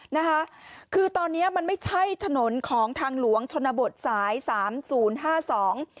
นะคะคือตอนเนี้ยมันไม่ใช่ถนนของทางหลวงชนบทสายสามศูนย์ห้าสอง